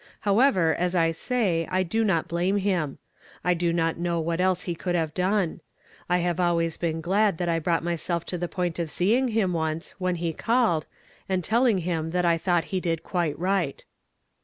However, as I say, I do not blame him ; I do not know what else he could have done. 1 have always been glad that I brought myself to the point of seeing him once, when he called, and telling him that I thought he did quite right."